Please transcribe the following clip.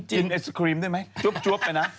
กินไอศครีมได้ไหมจ๊วบไปนะ